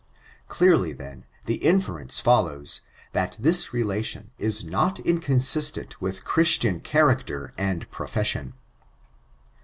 Clearly, then, the inference follows, that this relation is not inconsistent with Chris* tian character and profession.